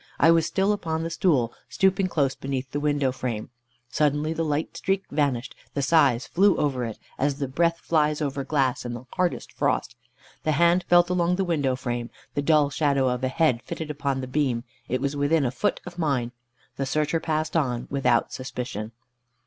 I was still upon the stool, stooping close beneath the window frame. Suddenly the light streak vanished, the size flew over it, as the breath flies over glass in the hardest frost. The hand felt along the window frame, the dull shadow of a head flitted upon the beam. It was within a foot of mine. The searcher passed on, without suspicion.